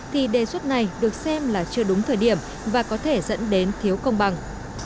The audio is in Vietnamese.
thì đề xuất này được xem là chưa đúng thời điểm và có thể dẫn đến thiếu công bằng